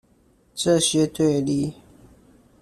這些對立